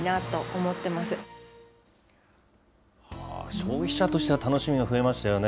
消費者としては楽しみが増えましたよね。